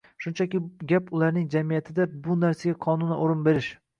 shunchaki gap ularning jamiyatida bu narsaga qonunan o‘rin berish